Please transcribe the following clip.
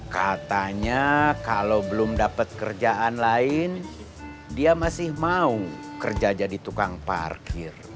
katanya kalau belum dapat kerjaan lain dia masih mau kerja jadi tukang parkir